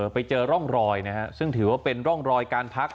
ไปเจอร่องรอยนะฮะซึ่งถือว่าเป็นร่องรอยการพัก